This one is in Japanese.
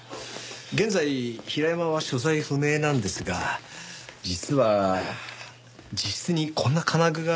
現在平山は所在不明なんですが実は自室にこんな金具が。